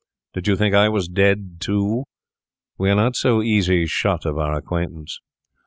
Did you think I was dead too? We are not so easy shut of our acquaintance.